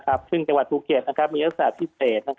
กว่าภูเก็ตมีวัตถ้าพิเศษ